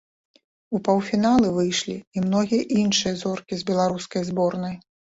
У паўфіналы выйшлі і многія іншыя зоркі з беларускай зборнай.